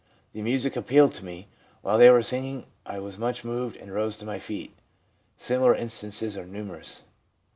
The music appealed to me. While they were singing I was much moved, and rose to my feet/ Similar instances are numerous.